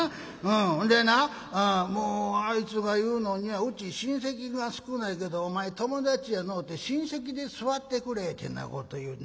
ほんでなもうあいつが言うのには『うち親戚が少ないけどお前友達やのうて親戚で座ってくれ』てなこと言う。